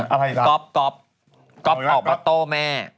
อะไรสักก๊อปก๊อปพอปะโต้แม่